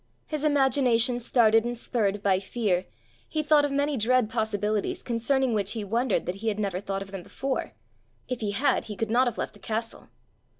His imagination started and spurred by fear, he thought of many dread possibilities concerning which he wondered that he had never thought of them before: if he had he could not have left the castle!